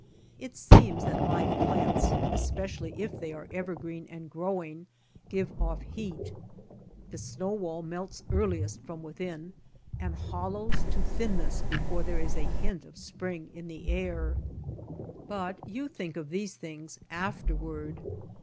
It seems that live plants, especially if they are evergreen and growing, give off heat; the snow wall melts earliest from within and hollows to thinness before there is a hint of spring in the air. But you think of these things afterward.